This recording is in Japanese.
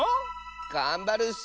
がんばるッス！